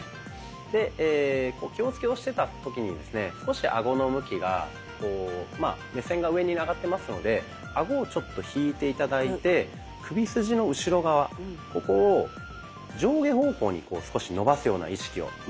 で気をつけをしてた時にですね少しアゴの向きがこう目線が上に上がってますのでアゴをちょっと引いて頂いて首筋の後ろ側ここを上下方向に少し伸ばすような意識を。